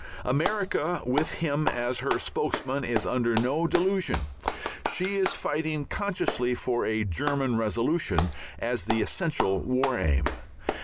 America, with him as her spokesman, is under no delusion; she is fighting consciously for a German Revolution as the essential War Aim.